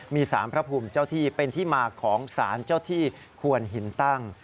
มีสารพระภูมิเจ้าที่เป็นที่มาของสารเจ้าที่ควนหินตั้ง